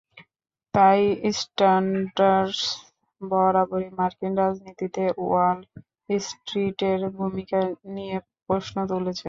তাই স্যান্ডার্স বরাবরই মার্কিন রাজনীতিতে ওয়াল স্ট্রিটের ভূমিকা নিয়ে প্রশ্ন তুলেছেন।